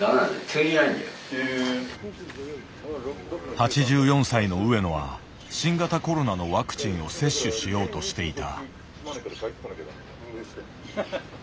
８４歳の上野は新型コロナのワクチンを接種しようとしていた。